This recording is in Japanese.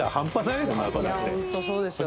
いや本当そうですよね。